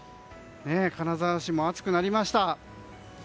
金沢市も暑くなりました。